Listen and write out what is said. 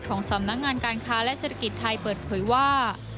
สำนักงานการค้าและเศรษฐกิจไทยเปิดเผยว่า